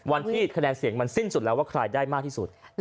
วันที่คะแนนเสียงมันสิ้นสุดแล้วว่าใครได้มากที่สุด